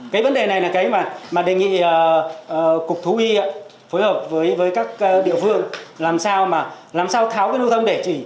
cái vấn đề này là cái mà đề nghị cục thú y phối hợp với các địa phương làm sao tháo cái lưu thông để chỉ